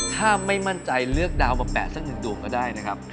ถ้าไม่มั่นใจเลือกดาวมาแปะสักหนึ่งดวงก็ได้นะครับ